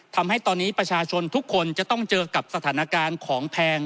ทำให้ตอนนี้ประชาชนทุกคนจะต้องเจอกับสถานการณ์ของแพง